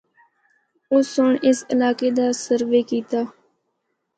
اُس سنڑ اس علاقے دا سروے کیتا۔